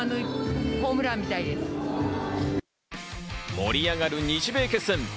盛り上がる日米決戦。